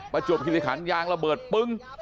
ประจบที่นี้การยางระเบิดปึ้ง